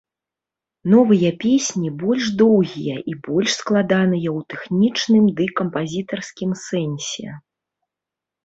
Новыя песні больш доўгія і больш складаныя ў тэхнічным ды кампазітарскім сэнсе.